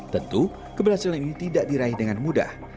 tentu keberhasilan ini tidak diraih dengan mudah